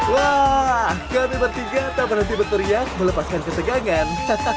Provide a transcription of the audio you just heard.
wah kami bertiga tak berhenti berteriak melepaskan ketegangan